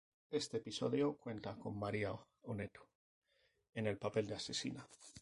Este episodio cuenta con María Onetto, en el papel de asesina.